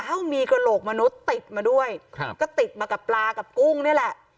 เอ้ามีกระโหลกมนุษย์ติดมาด้วยครับก็ติดมากับปลากับกุ้งนี่แหละ